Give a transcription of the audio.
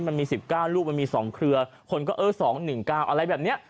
มันมี๑๙ลูกมันมี๒เครือคนก็เออ๒๑๙อะไรแบบนี้